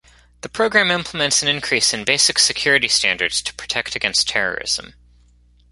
The program implements an increase in basic security standards to protect against terrorism.